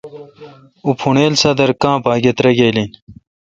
اوں پھوݨیل سادر کاں باگہ تراگال این۔